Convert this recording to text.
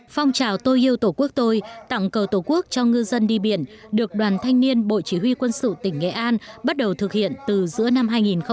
phong trào tôi yêu tổ quốc tôi tặng cờ tổ quốc cho ngư dân đi biển được đoàn thanh niên bộ chỉ huy quân sự tỉnh nghệ an bắt đầu thực hiện từ giữa năm hai nghìn một mươi tám